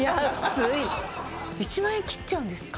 すい１万円切っちゃうんですか？